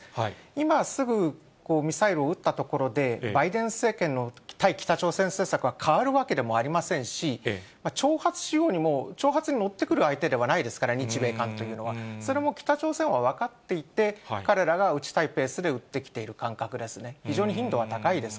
今すぐミサイルを撃ったところでバイデン政権の対北朝鮮政策は変わるわけでもありませんし、挑発しようにも、挑発に乗ってくる相手ではないですから、日米韓というのは。それも北朝鮮は分かっていて、彼らが撃ちたいペースで撃ってきている感覚ですね。